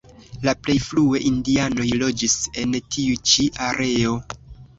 La plej frue indianoj loĝis en tiu ĉi areo.